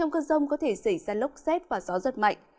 trong cơn rông có thể xảy ra lốc xét và gió giật mạnh